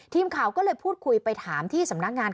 ทีมข่าวก็เลยพูดคุยไปถามที่สำนักงาน